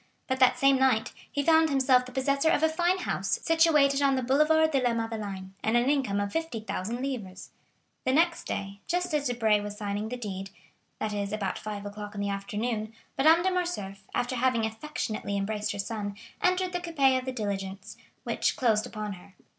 But that same night, he found himself the possessor of a fine house, situated on the Boulevard de la Madeleine, and an income of 50,000 livres. The next day, just as Debray was signing the deed, that is about five o'clock in the afternoon, Madame de Morcerf, after having affectionately embraced her son, entered the coupé of the diligence, which closed upon her.